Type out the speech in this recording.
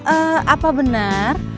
eh apa benar